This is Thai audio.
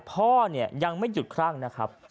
พ่อเนี่ยยังไม่หยุดครั่งนะครับ